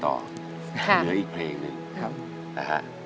หรืออีกเพลงหนึ่ง